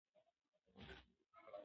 ژبه بهر ایستل د فشار څرګندونه ده.